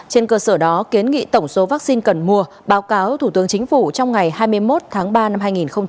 trên cơ sở đó kiến nghị tổng số vaccine cần mua báo cáo thủ tướng chính phủ trong ngày hai mươi một tháng ba năm hai nghìn hai mươi